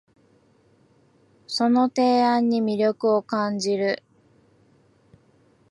その提案に魅力を感じる